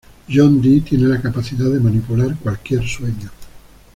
Jonh Dee tiene la capacidad de manipular cualquier sueño.